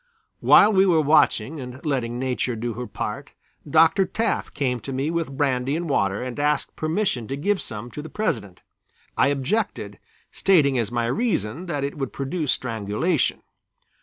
While we were watching and letting Nature do her part, Dr. Taft came to me with brandy and water and asked permission to give some to the President. I objected, stating as my reason that it would produce strangulation.